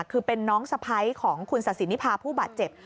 คือเป็นน้องสะพ้ายของคุณศาสินิพาผู้บาดเจ็บ